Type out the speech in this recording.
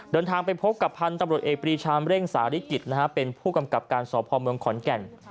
เดินทางไปพบกับพันธุ์ตำรวจเอกปรีชามเร่งสาริกิจนะฮะเป็นผู้กำกับการสพเมืองขอนแก่น